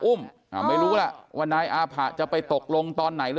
อุ้มอ่ะอุ้มไม่รู้ว่าไหนอาผะจะไปตกลงตอนไหน